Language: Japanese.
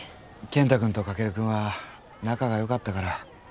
健太君と翔君は仲が良かったから。